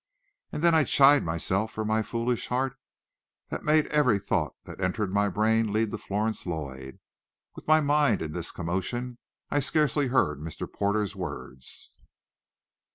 And then I chid myself for my foolish heart that made every thought that entered my brain lead to Florence Lloyd. With my mind in this commotion I scarcely heard Mr. Porter's words.